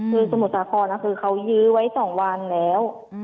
คือสมุทรสาครคือเขายื้อไว้๒วันแล้ว